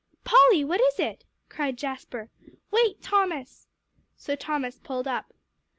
"Polly what is it?" cried Jasper. "Wait, Thomas!" So Thomas pulled up.